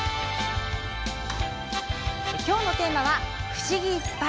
きょうのテーマは不思議いっぱい